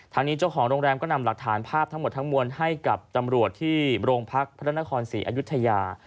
ทางนี้เจ้าของโรงแรมก็นำหลักฐานภาพทั้งหมดทั้งมวลให้กับตำรวจที่โรงพักพระนครศรีอายุทยา